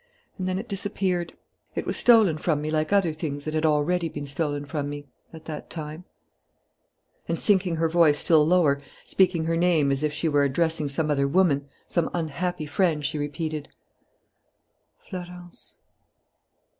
And then it disappeared.... It was stolen from me like other things that had already been stolen from me, at that time " And, sinking her voice still lower, speaking her name as if she were addressing some other woman, some unhappy friend, she repeated: "Florence....